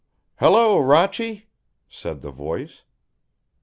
"Hello, Rochy," said the voice.